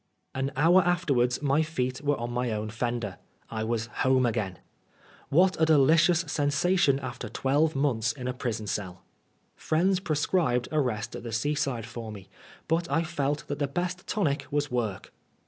An hour afterwards my feet were on my own fender. I was home again. What a delicious sensation after twelve months in a prison cell I Friends prescribed a rest at the seaside for me, but I felt that the best tonic was work.